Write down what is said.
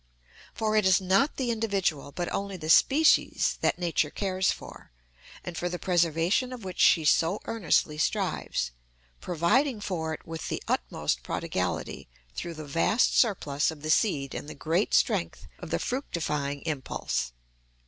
For it is not the individual, but only the species that Nature cares for, and for the preservation of which she so earnestly strives, providing for it with the utmost prodigality through the vast surplus of the seed and the great strength of the fructifying impulse.